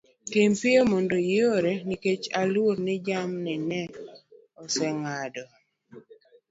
tim piyo mondo iore nikech aluor ni jamni na oseng'ado